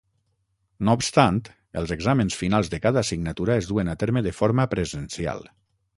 No obstant els exàmens finals de cada assignatura es duen a terme de forma presencial.